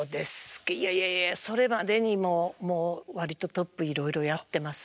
いやいやいやそれまでにもう割とトップいろいろやってます。